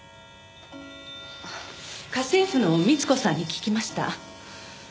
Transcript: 家政婦の美津子さんに聞きました。